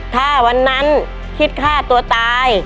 ถ้าวันนั้นคิดฆ่าตัวตาย